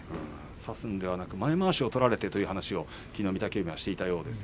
差すのではなく前まわしを取られてという話を御嶽海はしていたようです。